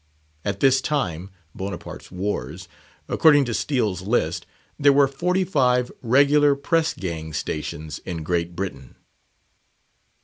At this time (Bonaparte's wars), according to "Steel's List," there were forty five regular press gang stations in Great Britain.